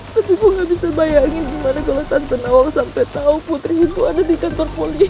tapi gue gak bisa bayangin gimana kalo tante nawal sampe tau putri itu ada di kantor polisi kak